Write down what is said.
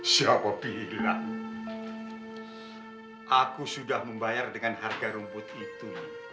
siapa pilih aku sudah membayar dengan harga rumput itu